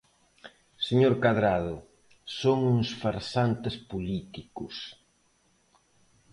Señor Cadrado, son uns farsantes políticos.